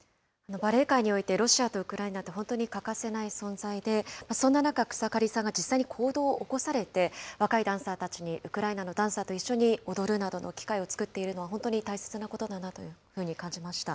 バレエ界において、ロシアとウクライナって本当に欠かせない存在で、そんな中、草刈さんが実際に行動を起こされて、若いダンサーたちにウクライナのダンサーと一緒に踊るなどの機会を作っているのは、本当に大切なことだなというふうに感じました。